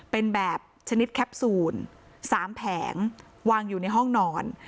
เป็นแบบชนิดแคปซูล๓แผงวางอยู่ในห้องนอน